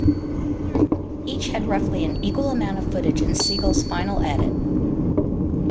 Each had roughly an equal amount of footage in Siegel's final edit.